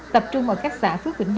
tập trung ở các xã phước vĩnh đông